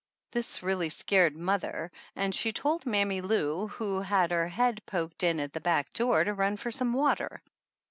This really scared mother, and she told Mammy Lou, who had her head poked in at the back door, to run for some water.